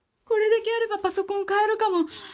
これだけあればパソコン買えるかも。